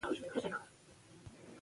زردالو د افغانستان د اقلیم ځانګړتیا ده.